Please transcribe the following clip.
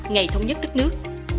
ngày thống nhất đất nước